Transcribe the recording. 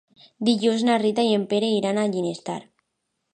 Dilluns na Rita i en Pere iran a Ginestar.